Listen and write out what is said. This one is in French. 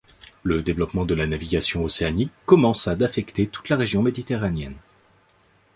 Le développement de la navigation océanique commença d'affecter toute la région méditerranéenne.